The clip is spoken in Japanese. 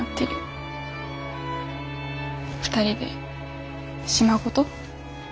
２人で島ごと？